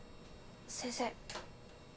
先生。